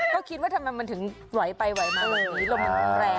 ก็คิดว่าทำไมมันถึงไหวไปไหวมาลมนี้ลมมันแรง